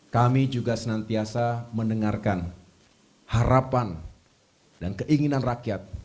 kami juga senantiasa mendengarkan harapan dan keinginan rakyat